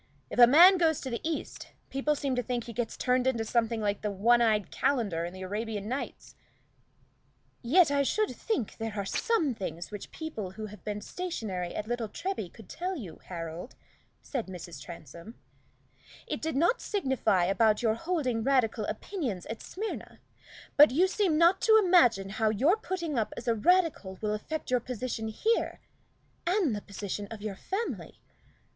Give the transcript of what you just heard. If a man goes to the East, people seem to think he gets turned into something like the one eyed calender in the 'Arabian Nights!'" "Yet I should think there are some things which people who have been stationary at Little Treby could tell you, Harold," said Mrs. Transome. "It did not signify about your holding Radical opinions at Smyrna; but you seem not to imagine how your putting up as a Radical will affect your position here, and the position of your family.